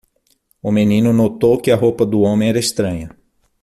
O menino notou que a roupa do homem era estranha.